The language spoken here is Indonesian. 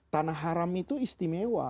tanah haram itu istimewa